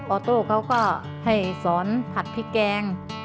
อโต้เขาก็ให้สอนผัดพริกแกง